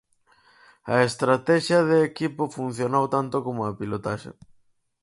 A estratexia de equipo funcionou tanto como a pilotaxe.